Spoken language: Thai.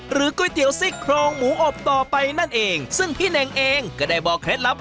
ก๋วยเตี๋ยวซี่โครงหมูอบต่อไปนั่นเองซึ่งพี่เน่งเองก็ได้บอกเคล็ดลับ